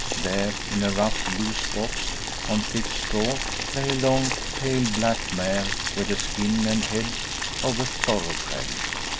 There, in a rough loose box, on thick straw, lay a long tailed black mare with the skin and head of a thoroughbred.